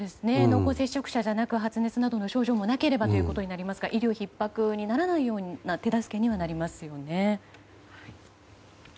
濃厚接触者じゃなく発熱などの症状もなければということになりますが医療ひっ迫にならないような手助けにはなりますよね。